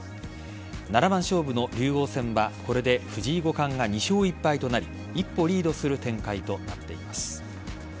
七番勝負の竜王戦はこれで藤井五冠が２勝１敗となり一歩リードする展開となっています。